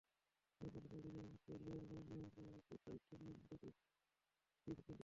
এবং computer design অনুসারে layer by layer করে টাইটেনিয়াম ধাতু থ্রিডি প্রিন্টিং করা হয়।